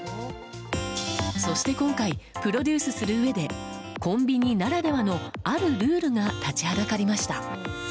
そして今回、プロデュースするうえでコンビニならではのあるルールが立ちはだかりました。